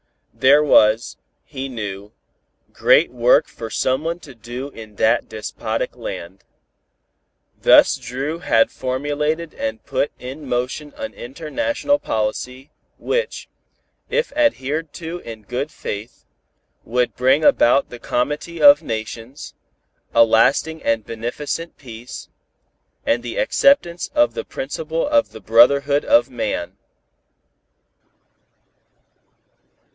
There was, he knew, great work for someone to do in that despotic land. Thus Dru had formulated and put in motion an international policy, which, if adhered to in good faith, would bring about the comity of nations, a lasting and beneficent peace, and the acceptance of the principle of the brotherhood of man.